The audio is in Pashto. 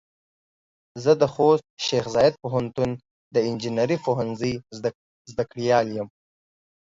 زه د خوست شیخ زايد پوهنتون د انجنیري پوهنځۍ زده کړيال يم.